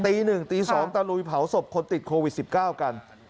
ตี๑ตี๒ตะลุยเผาศพคนติดโควิด๑๙กัน